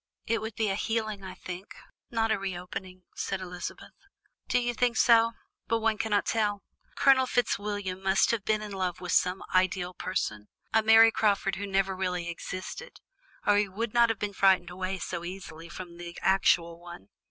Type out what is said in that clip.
"It would be a healing, I think, not a reopening," said Elizabeth. "Do you think so? But one cannot tell. Colonel Fitzwilliam must have been in love with some ideal person, a Mary Crawford who never really existed, or he would not have been frightened away so easily from the actual one.